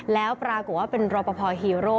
แล้วปรากฏว่าเป็นรอปภฮีโร่